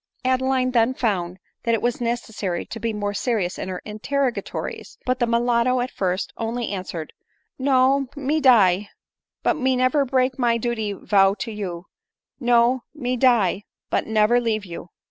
Adeline then found that it was necessary to be more serious in her interrogatories ; but the mulatto at first on ly answered, " no, me die, but me never break my duty vow to you ; no, me die, but never leave you.